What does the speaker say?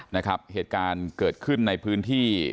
นะครับเหตุการณ์เกิดขึ้นในพื้นที่